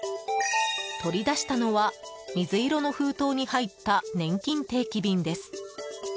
取り出したのは水色の封筒に入ったねんきん定期便です。